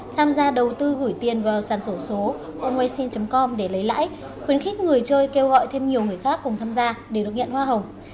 tham gia đầu tư gửi tiền vào sàn sổ số oaicin com để lấy lãi khuyến khích người chơi kêu gọi thêm nhiều người khác cùng tham gia để được nhận hoa hồng